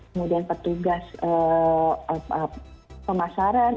kemudian petugas pemasaran